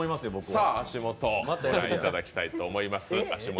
さあ足元、見ていただきたいと思います。